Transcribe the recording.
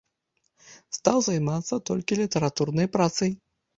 Стаў займацца толькі літаратурнай працай.